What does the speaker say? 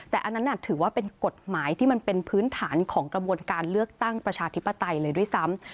แต่อันนั้นถือว่าเป็นกฎหมายที่มันเป็นพื้นฐานของกระบวนการเลือกตั้งประชาธิปไตยเลยด้วยซ้ำ